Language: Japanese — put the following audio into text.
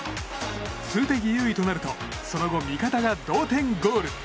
数的優位となるとその後、味方が同点ゴール。